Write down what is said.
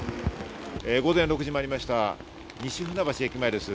午前６時を回りました、西船橋駅前です。